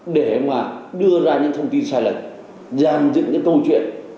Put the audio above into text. để đưa ra những thông tin sai lệch gian dựng những câu chuyện